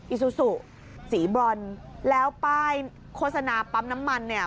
อิซูซูสีบรอนแล้วป้ายโฆษณาปั๊มน้ำมันเนี่ย